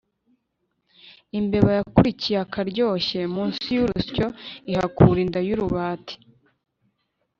imbeba yakurikiye akaryoshye munsi y'urusyo ihakura inda y'urubati